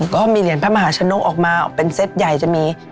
ก็มีเหรียญพระมหาชนกออกมาเป็นเซตใหญ่จะมี